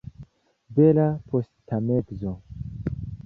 Bela posttagmezo.